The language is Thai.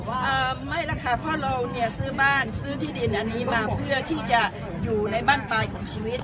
อ่าไม่แล้วค่ะเพราะเราเนี่ยซื้อบ้านซื้อที่ดินอันนี้มาเพื่อที่จะอยู่ในบ้านปลายของชีวิต